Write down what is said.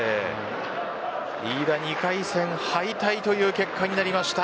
飯田、２回戦敗退という結果になりました。